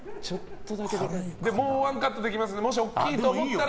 もう１カットできますのでもし大きいと思ったら。